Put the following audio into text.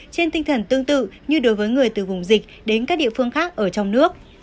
trên tinh thần tương tự như đối với người từ vùng dịch đến các địa phương khác ở trong nước